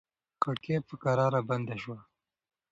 کړکۍ په کراره بنده شوه.